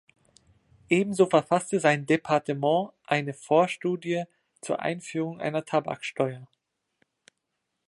Ebenso verfasste sein Departement eine Vorstudie zur Einführung einer Tabaksteuer.